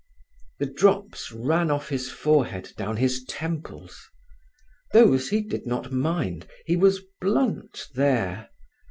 The drops ran off his forehead down his temples. Those he did not mind: he was blunt there.